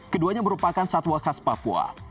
keduanya merupakan satwa khas papua